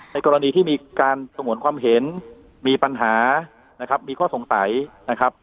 กรณีที่มีการสงวนความเห็นมีปัญหานะครับมีข้อสงสัยนะครับ